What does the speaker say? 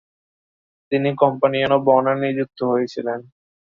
তিনি companion of honour নিযুক্ত হয়েছিলেন।